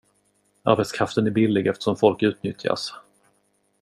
Arbetskraften är billig eftersom folk utnyttjas.